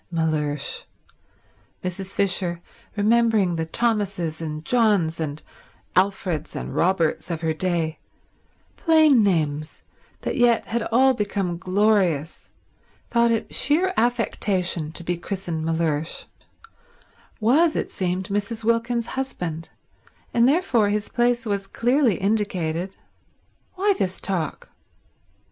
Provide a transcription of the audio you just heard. Mellersh—Mrs. Fisher, remembering the Thomases and Johns and Alfreds and Roberts of her day, plain names that yet had all become glorious, thought it sheer affection to be christened Mellersh—was, it seemed, Mrs. Wilkins's husband, and therefore his place was clearly indicated. Why this talk?